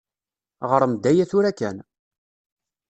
Ɣṛem-d aya tura kan.